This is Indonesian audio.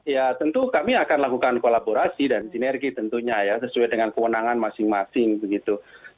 ya tentu kami akan lakukan kolaborasi dan sinergi tentunya ya sesuai dengan kewenangan masing masing begitu